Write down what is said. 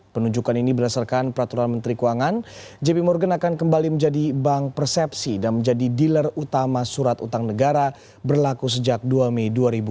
penunjukan ini berdasarkan peraturan menteri keuangan jp morgan akan kembali menjadi bank persepsi dan menjadi dealer utama surat utang negara berlaku sejak dua mei dua ribu dua puluh